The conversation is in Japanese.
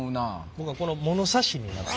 僕はこのものさしになってる。